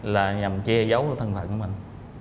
là nhằm che giấu thân phận của mình